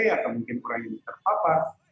atau mungkin orang ini terpapar